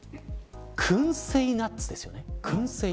くんせいナッツですよね。